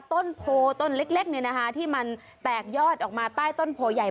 ต้นโพต้นเล็กที่มันแตกยอดออกมาใต้ต้นโพใหญ่